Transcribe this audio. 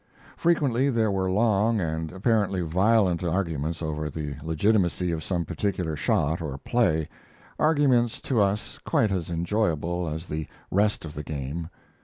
Frequently there were long and apparently violent arguments over the legitimacy of some particular shot or play arguments to us quite as enjoyable as the rest of the game.